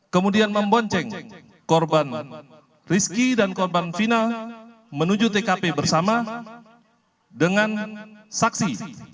kemudian membonceng korban rizki dan korban final menuju tkp bersama dengan saksi